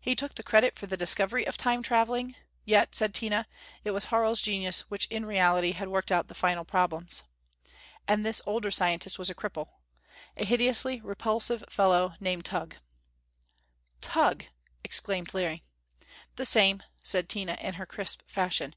He took the credit for the discovery of Time traveling; yet, said Tina, it was Harl's genius which in reality had worked out the final problems. And this older scientist was a cripple. A hideously repulsive fellow, named Tugh! "Tugh!" exclaimed Larry. "The same," said Tina in her crisp fashion.